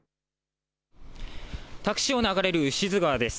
多久市を流れる牛津川です。